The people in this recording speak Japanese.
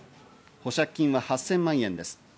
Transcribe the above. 保釈金は８０００万円です。